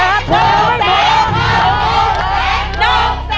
ถูกยังไม่ถูก